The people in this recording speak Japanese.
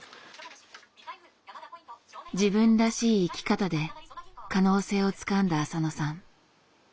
自分らしい生き方で可能性をつかんだ浅野さん。